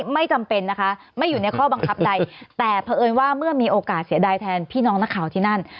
ไม่จำเป็นนะคะไม่อยู่ในข้อบังคับใดแต่เผอิญว่าเมื่อมีโอกาสเสียดายแทนพี่น้องนักข่าวที่นั่น